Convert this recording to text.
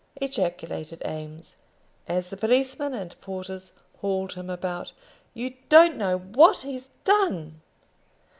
ejaculated Eames, as the policemen and porters hauled him about. "You don't know what he's done."